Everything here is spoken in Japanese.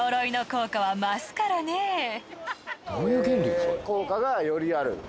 へえー効果がよりある？